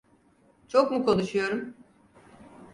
Çok mu konuşuyorum?